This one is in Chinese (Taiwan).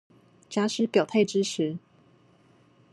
假使表態支持